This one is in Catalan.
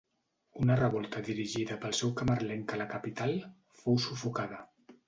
Una revolta dirigida pel seu camarlenc a la capital, fou sufocada.